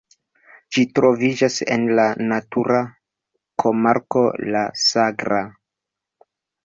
Ĝi troviĝas en la natura komarko La Sagra.